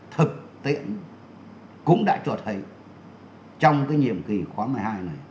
thực tiễn cũng đã trở thành trong cái nhiệm kỳ khóa một mươi hai này